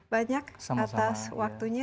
banyak atas waktunya